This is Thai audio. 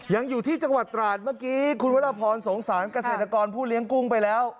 อยู่ที่จังหวัดตราดเมื่อกี้คุณวรพรสงสารเกษตรกรผู้เลี้ยงกุ้งไปแล้ว